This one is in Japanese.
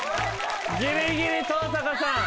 ギリギリ登坂さん！